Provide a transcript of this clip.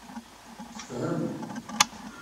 Tefhem.